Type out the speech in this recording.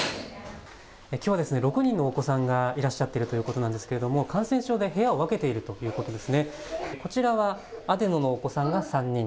きょうは６人のお子さんがいらっしゃっているということですけれども感染症で部屋を分けているということです。